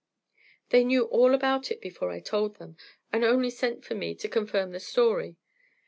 "They knew all about it before I told them, and only sent for me to confirm the story.